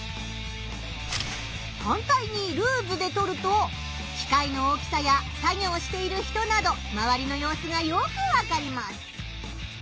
反対にルーズで撮ると機械の大きさや作業している人などまわりの様子がよくわかります。